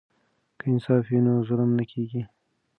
که انصاف وي نو ظلم نه کیږي.